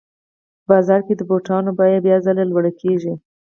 په بازار کې د بوټانو بیه بیا ځلي لوړه کېږي